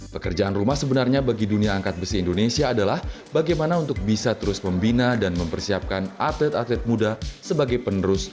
pekerjaan rumah sebenarnya bagi dunia angkat besi indonesia adalah bagaimana untuk bisa terus membina dan mempersiapkan atlet atlet muda sebagai penerus